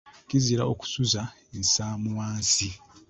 Kizira okusuza ensaamu wansi.